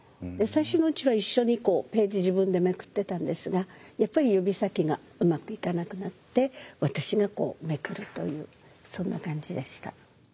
最初のうちは一緒にこうページ自分でめくってたんですがやっぱり指先がうまくいかなくなって私がこうめくるというそんな感じでした。